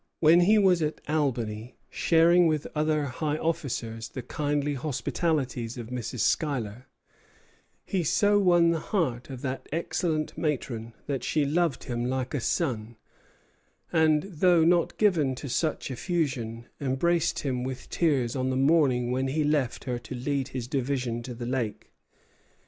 When he was at Albany, sharing with other high officers the kindly hospitalities of Mrs. Schuyler, he so won the heart of that excellent matron that she loved him like a son; and, though not given to such effusion, embraced him with tears on the morning when he left her to lead his division to the lake.